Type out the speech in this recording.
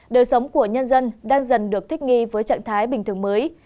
đời sống của nhân dân đang dần được thích nghi với trạng thái bình thường mới